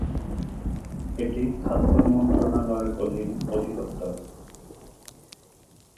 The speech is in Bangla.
এটি খাদ্য মন্ত্রণালয়ের অধীন অধিদপ্তর।